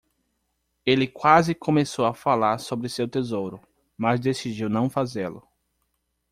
Ele quase começou a falar sobre seu tesouro, mas decidiu não fazê-lo.